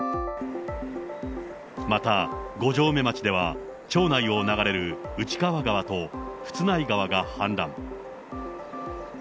また、五城目町では町内を流れる内川川とふつない川が氾濫。